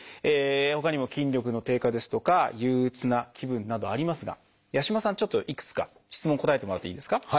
ほかにも「筋力の低下」ですとか「憂うつな気分」などありますが八嶋さんちょっといくつか質問答えてもらっていいですか？